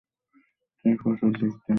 তিনি প্রচুর লিখতেন।